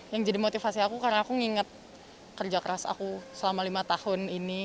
yang jadi motivasi aku karena aku nginget kerja keras aku selama lima tahun ini